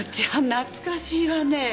懐かしいわね。